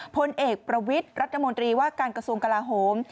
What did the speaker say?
พลเอกประวิทย์รัฐมนตรีว่าการกระทรวงกลาโหม